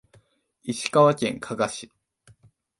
石川県加賀市